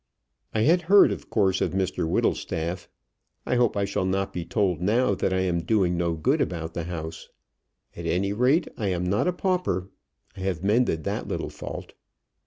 "I had heard, of course, of Mr Whittlestaff. I hope I shall not be told now that I am doing no good about the house. At any rate I am not a pauper. I have mended that little fault."